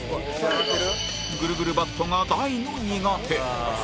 ぐるぐるバットが大の苦手